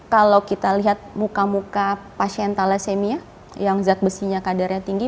kalau kita lihat muka muka pasien thalassemia yang zat besinya kadarnya tinggi